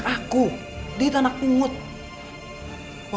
jadi kamu udah punya anak